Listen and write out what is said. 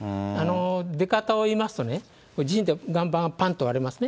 出方をいいますとね、岩盤がぱんと割れますね。